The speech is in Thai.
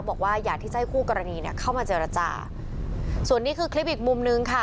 บอกว่าอยากที่จะให้คู่กรณีเนี่ยเข้ามาเจรจาส่วนนี้คือคลิปอีกมุมนึงค่ะ